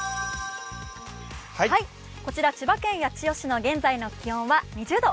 こちら千葉県八千代市の現在の気温は２０度。